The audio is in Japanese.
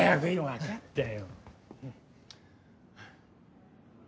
分かったよ。